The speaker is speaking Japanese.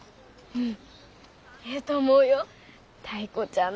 うん？